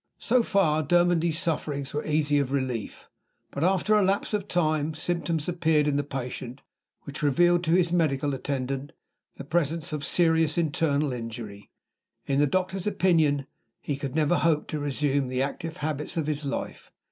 So far, Dermody's sufferings were easy of relief. But, after a lapse of time, symptoms appeared in the patient which revealed to his medical attendant the presence of serious internal injury. In the doctor's opinion, he could never hope to resume the active habits of his life.